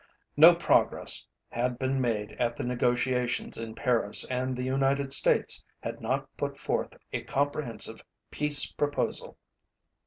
No progress had been made at the negotiations in Paris and the United States had not put forth a comprehensive peace proposal.